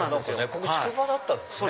ここ宿場だったんですね。